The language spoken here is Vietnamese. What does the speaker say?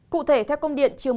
cụ thể theo công điện